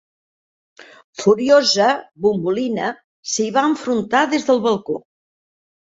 Furiosa, Bouboulina s'hi va enfrontar des del balcó.